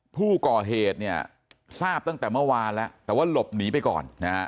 ผู้ก่อเหตุเนี่ยทราบตั้งแต่เมื่อวานแล้วแต่ว่าหลบหนีไปก่อนนะฮะ